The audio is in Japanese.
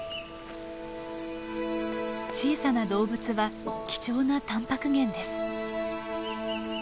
小さな動物は貴重なたんぱく源です。